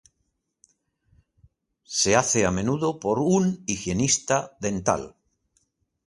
Se hace a menudo por un higienista dental.